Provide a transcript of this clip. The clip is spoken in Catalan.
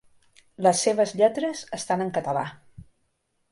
Les seves lletres estan en català.